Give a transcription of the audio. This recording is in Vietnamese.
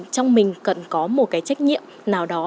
trong mình cần có một cái trách nhiệm nào đó